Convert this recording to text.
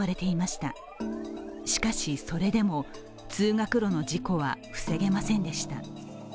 しかし、それでも通学路の事故は防げませんでした。